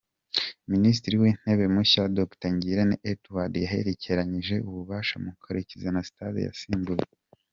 Minisitiri w’Intebe mushya, Dr Ngirente Edouard, yahererekanyije ububasha na Murekezi Anastase yasimbuye